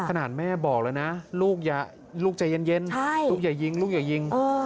ขนาดแม่บอกเลยนะลูกจะเย็นลูกอย่ายิง